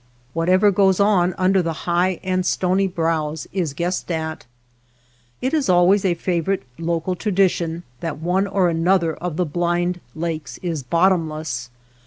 Whatever goes on under the high and stony brows is guessed at. It is always a favorite local tradition that one or an other of the blind lakes is bottomless.